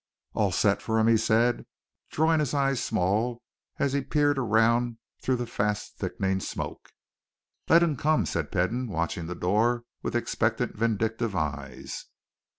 "All's set for him," he said, drawing his eyes small as he peered around through the fast thickening smoke. "Let him come!" said Peden, watching the door with expectant, vindictive eyes.